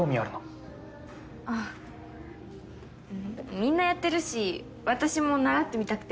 みんなやってるし私も習ってみたくて。